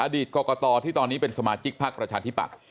อดีตกรกตที่ตอนนี้เป็นสมาชิกภักดิ์ประชาธิปักษ์